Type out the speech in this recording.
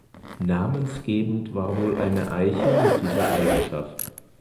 Namensgebend war wohl eine Eiche mit dieser Eigenschaft.